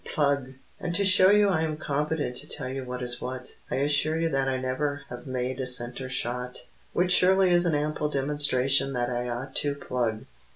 Plug! And to show you I am competent to tell you what is what, I assure you that I never yet have made a centre shot, Which surely is an ample demonstration that I ought To plug.